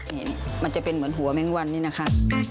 เห็นมันจะเป็นเหมือนหัวแมงวันนี่นะคะ